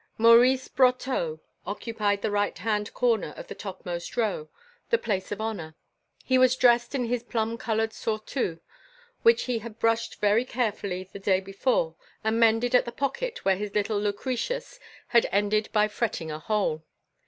Maurice Brotteaux occupied the right hand corner of the topmost row, the place of honour. He was dressed in his plum coloured surtout, which he had brushed very carefully the day before and mended at the pocket where his little Lucretius had ended by fretting a hole.